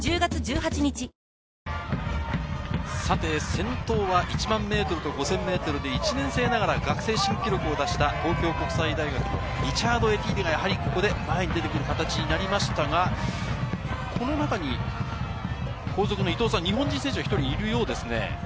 先頭は１００００ｍと５０００ｍで１年生ながら学生新記録を達成した東京国際大学のリチャード・エティーリが、ここで前に出てくる形になりましたが、この中に高速の伊藤さん、日本人選手がいるようですね。